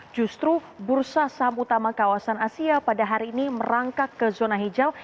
justru bursa saham utama kawasan asia pada hari ini merangkak ke zona hijau